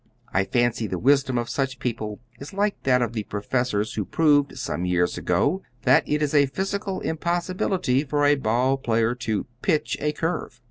I fancy the wisdom of such people is like that of the professors who proved some years ago that it is a physical impossibility for a ball player to "pitch a curve."